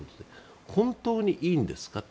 本当にいいんですかと。